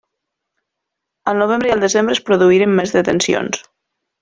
Al novembre i al desembre es produïren més detencions.